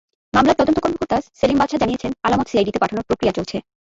মামলার তদন্ত কর্মকর্তা সেলিম বাদশা জানিয়েছেন, আলামত সিআইডিতে পাঠানোর প্রক্রিয়া চলছে।